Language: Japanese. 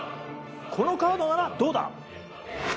このカードならどうだ！